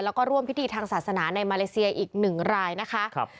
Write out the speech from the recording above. แล้วก็ร่วมพิธีทางศาสนาในมาเลเซียอีกหนึ่งรายนะคะ